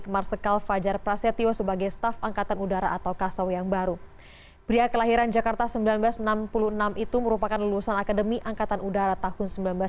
persiapan penandatanganan berita acara penandatanganan